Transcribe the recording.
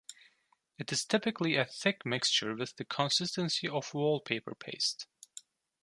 It is typically a thick mixture with the consistency of wallpaper paste.